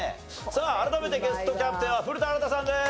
さあ改めてゲストキャプテンは古田新太さんです。